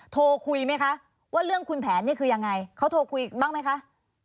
โทรคุยไหมคะว่าเรื่องคุณแผนนี่คือยังไงเขาโทรคุยบ้างไหมคะ